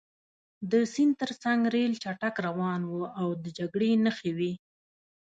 د سیند ترڅنګ ریل چټک روان و او د جګړې نښې وې